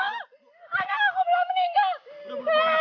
anak aku belum meninggal